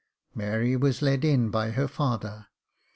Mary was led in by her father.